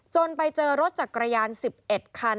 จนไปเจอรถจากกระยาน๑๑คัน